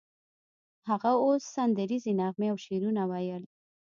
هغه اوس سندریزې نغمې او شعرونه ویل